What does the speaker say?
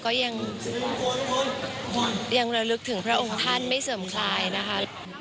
ก็ยังระลึกถึงพระองค์ท่านไม่เสื่อมคลายนะคะ